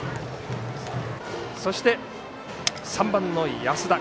そして３番の安田。